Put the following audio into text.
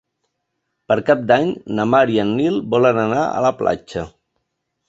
Per Cap d'Any na Mar i en Nil volen anar a la platja.